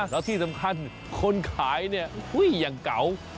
แล้วที่สำคัญคนขายเนี่ยอย่างเก่า